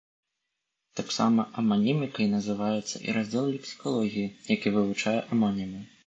Таксама аманімікай называецца і раздзел лексікалогіі, які вывучае амонімы.